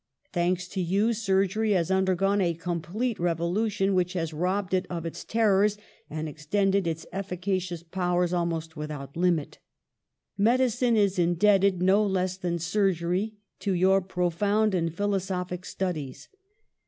"Thanks to you, surgery has undergone a complete revolution which has robbed it of its terrors and extended its efiicacious powers al most without limit. "Medicine is indebted, no less than surgery, to your profound and philosophic studies.